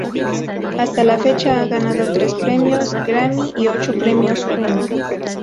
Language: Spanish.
Hasta la fecha, ha ganado tres premios Grammy y ocho premios Juno.